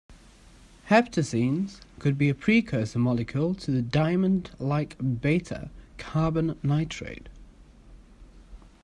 Heptazines could be a precursor molecule to the diamond-like beta carbon nitride.